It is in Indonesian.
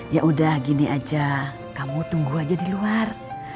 yaudah gini aja kamu tunggu aja di luar